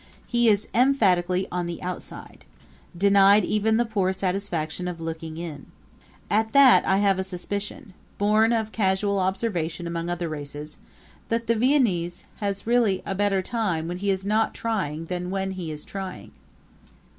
He is emphatically on the outside, denied even the poor satisfaction of looking in. At that I have a suspicion, born of casual observation among other races, that the Viennese really has a better time when he is not trying than when he is trying.